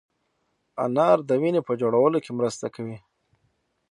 انار د وینې په جوړولو کې مرسته کوي.